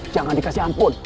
jangan dikasih ampun